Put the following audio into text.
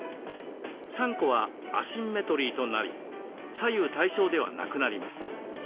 ３個はアシンメトリーとなり左右対称ではなくなります。